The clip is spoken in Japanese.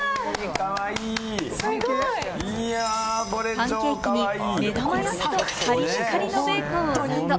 パンケーキに目玉焼きと、カリッカリのベーコンをサンド。